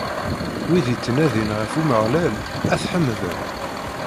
Wid yettnadin ɣef Umeɣlal, ad t-ḥemden.